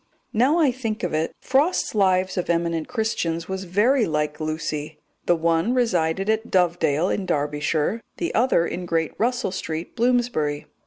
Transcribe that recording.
Now I think of it, Frost's Lives of Eminent Christians was very like Lucy. The one resided at Dovedale in Derbyshire, the other in Great Russell Street, Bloomsbury.